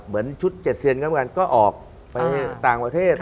เหมือนชุดเจ็ดเซียนกรรมการก็ออกไปต่างประเทศ